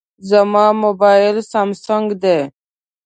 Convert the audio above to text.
زما موبایل سامسونګ دی.